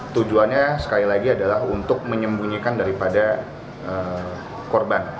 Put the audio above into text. tujuannya sekali lagi adalah untuk menyembunyikan daripada korban